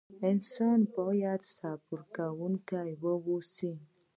انسان بايد صبر کوونکی واوسئ.